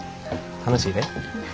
楽しいで。